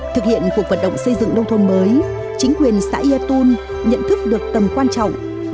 thực hiện cuộc vận động xây dựng đông thôn mới chính quyền xã yatun nhận thức được tầm quan trọng